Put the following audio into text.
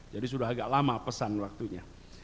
jadi sudah agak lama pesan waktunya